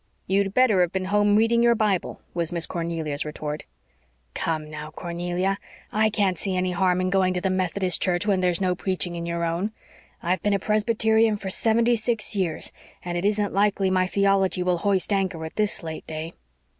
"You'd better have been home reading your Bible," was Miss Cornelia's retort. "Come, now, Cornelia, I can't see any harm in going to the Methodist church when there's no preaching in your own. I've been a Presbyterian for seventy six years, and it isn't likely my theology will hoist anchor at this late day."